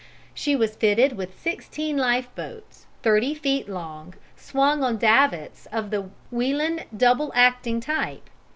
She was fitted with 16 lifeboats 30 feet long, swung on davits of the Welin double acting type.